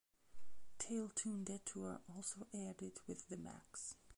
Teletoon Detour also aired it with The Maxx.